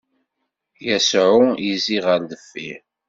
Yasuɛ izzi ɣer deffir.